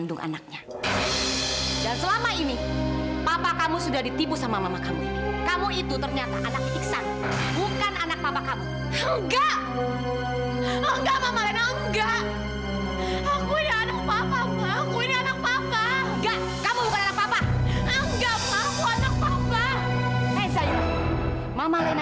lo gak usah ikut campur urusan keluarga